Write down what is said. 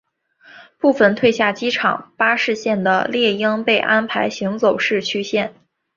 部份退下机场巴士线的猎鹰被安排行走市区线。